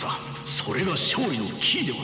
それが勝利のキーではないか。